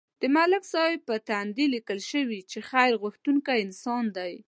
د ملک صاحب په تندي لیکل شوي چې خیر غوښتونکی انسان دی.